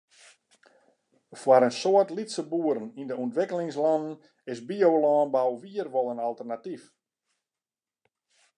Foar in soad lytse boeren yn de ûntwikkelingslannen is biolânbou wier wol in alternatyf.